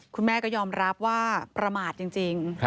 คุณแม่ก็ยอมรับว่าประมาทจริง